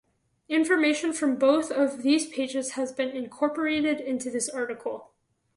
Information from both of these pages has been incorporated into this article.